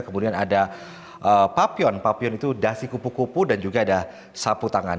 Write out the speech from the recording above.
kemudian ada papion papion itu dasi kupu kupu dan juga ada sapu tangan